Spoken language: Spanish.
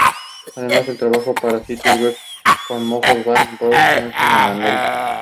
Localidad de Boedo-Ojeda, en el noreste de la provincia.